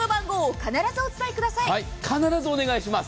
必ずお願いします。